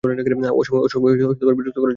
অসময়ে বিরক্ত করার জন্য দুঃখিত।